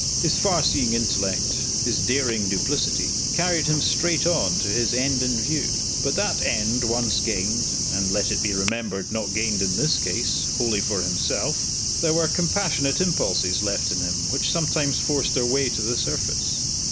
His far seeing intellect, his daring duplicity, carried him straight on to his end in view. But, that end once gained and, let it be remembered, not gained, in this case, wholly for himself there were compassionate impulses left in him which sometimes forced their way to the surface.